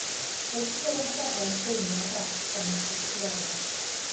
Dwi wedi creu amserlen ffilmio ddrafft am y tri lleoliad